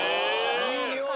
いい匂い。